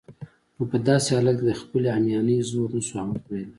نو په داسې حالت کې د خپلې همیانۍ زور نشو آزمایلای.